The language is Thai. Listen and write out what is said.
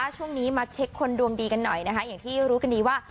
ช่วงนี้มาเช็คคนดวงดีกันหน่อยนะคะอย่างที่รู้กันดีว่า